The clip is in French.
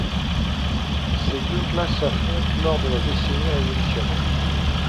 Ces deux classes s’affrontent lors de la décennie révolutionnaire.